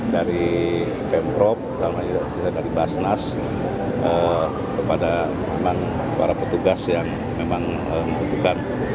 dari kemprop dari basnas kepada para petugas yang memang membutuhkan